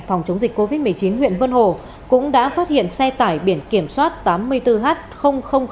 phòng chống dịch covid một mươi chín huyện vân hồ cũng đã phát hiện xe tải biển kiểm soát tám mươi bốn h một mươi bốn